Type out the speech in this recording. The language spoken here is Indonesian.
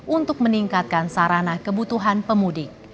untuk meningkatkan sarana kebutuhan pemudik